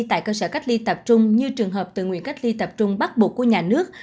tại cơ sở cách ly tập trung như trường hợp tự nguyện cách ly tập trung bắt buộc của nhà nước